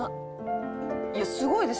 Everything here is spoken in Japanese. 「いやすごいです。